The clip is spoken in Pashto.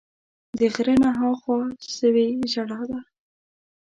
د غره نه ها خوا سوې ژړا ده